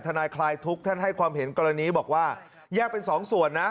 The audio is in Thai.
นายคลายทุกข์ท่านให้ความเห็นกรณีบอกว่าแยกเป็นสองส่วนนะ